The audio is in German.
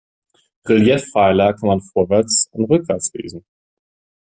Reliefpfeiler kann man vorwärts und rückwärts lesen.